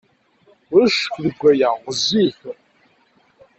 Ulac ccekk deg waya. Ɣezzif.